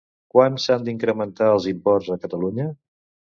Quant s'han incrementat els imports a Catalunya?